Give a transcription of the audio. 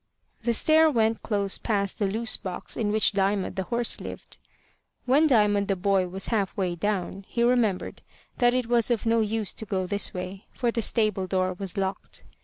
The stair went close past the loose box in which Diamond the horse lived. When Diamond the boy was half way down, he remembered that it was of no use to go this way, for the stable door was locked.